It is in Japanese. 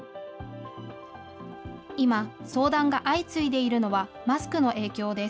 今、相談が相次いでいるのは、マスクの影響です。